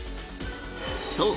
そう！